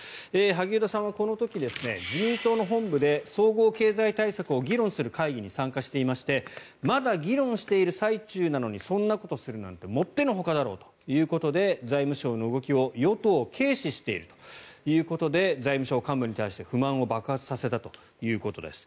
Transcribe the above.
萩生田さんはこの時自民党の本部で総合経済対策を議論する会議に参加していましてまだ議論をしている最中なのにそんなことをするなんてもってのほかだろうということで財務省の動きを与党を軽視しているということで財務省幹部に対して不満を爆発させたということです。